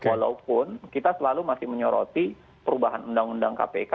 walaupun kita selalu masih menyoroti perubahan undang undang kpk